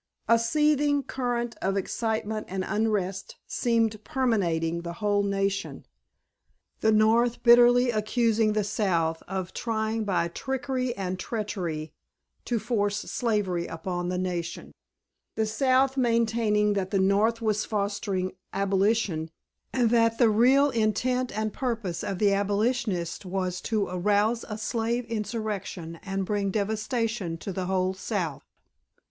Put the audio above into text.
A seething current of excitement and unrest seemed permeating the whole nation. The North bitterly accusing the South of trying by trickery and treachery to force slavery upon the nation, the South maintaining that the North was fostering abolition, and that the real intent and purpose of the abolitionists was to arouse a slave insurrection and bring devastation to the whole South.